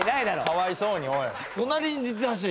かわいそうにおい。